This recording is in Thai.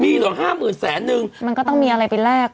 มีเหรอห้าหมื่นแสนนึงมันก็ต้องมีอะไรไปแลก